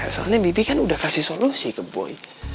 soalnya mibi kan udah kasih solusi ke boy